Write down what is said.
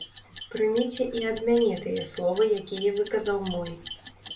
Прыміце і ад мяне тыя словы, якія выказаў мой.